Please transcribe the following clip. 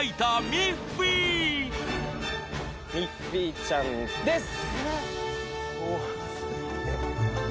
ミッフィーちゃんです！